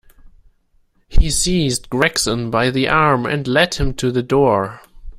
He seized Gregson by the arm and led him to the door.